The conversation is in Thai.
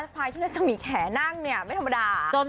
ควายที่รัศมีแขนั่งเนี่ยไม่ธรรมดา